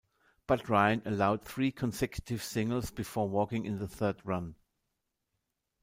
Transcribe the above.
But Ryan allowed three consecutive singles before walking in the third run.